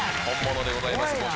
本物でございます。